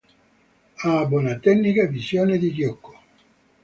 Ha buona tecnica e visione di gioco.